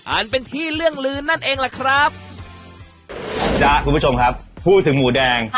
อันเป็นที่เรื่องลืนนั่นเองล่ะครับจ๊ะคุณผู้ชมครับพูดถึงหมูแดง